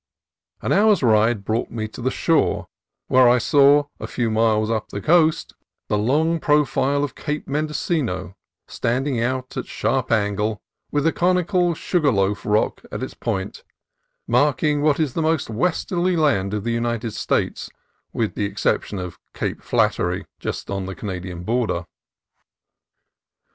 An hour's ride brought me to the shore, where I saw, a few miles up the coast, the long profile of Cape Mendocino standing out at sharp angle, with a conical sugar loaf rock at its point, marking what is the most westerly land of the United States with the exception of Cape Flattery, just on the Canadian border.